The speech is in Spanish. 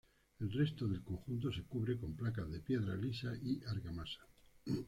El resto del conjunto se cubre con placas de piedra lisa y argamasa.